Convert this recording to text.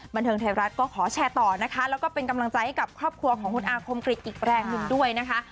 บันเทิงไทยรัฐก็ขอแชร์ต่อนะคะแล้วก็เป็นกำลังใจให้กับครอบครัวของคุณอาคมกริจอีกแรงหนึ่งด้วยนะคะ